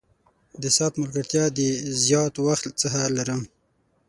د ساعت ملګرتیا د زیات وخت څخه لرم.